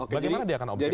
bagaimana dia akan objektif